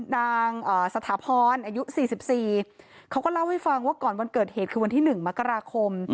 นางสถาพรอายุ๔๔เขาก็เล่าให้ฟังว่าก่อนวันเกิดเหตุคือวันที่๑มกราคม